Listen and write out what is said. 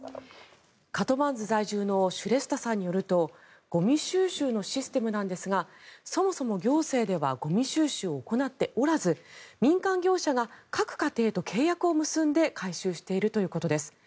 カトマンズ在住のシュレスタさんによるとゴミ収集のシステムなんですがそもそも行政ではゴミ収集を行っておらず民間業者が各家庭と契約を結んで回収しているということです。